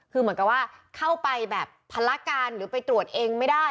คือเหมือนกับว่าเข้าไปแบบพละการหรือไปตรวจเองไม่ได้